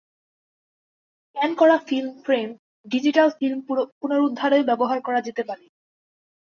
Scan করা film frame digital film পুনরুদ্ধারেও ব্যবহার করা যেতে পারে।